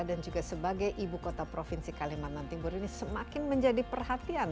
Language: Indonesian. dan juga sebagai ibu kota provinsi kalimantan timur ini semakin menjadi perhatian